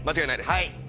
はい。